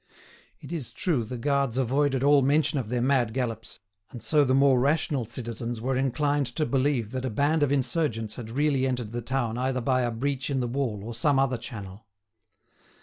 It is true the guards avoided all mention of their mad gallops; and so the more rational citizens were inclined to believe that a band of insurgents had really entered the town either by a breach in the wall or some other channel.